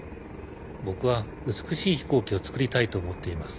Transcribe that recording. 僕は美しい飛行機をつくりたいと思っています。